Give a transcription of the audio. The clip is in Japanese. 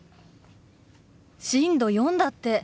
震度４だって。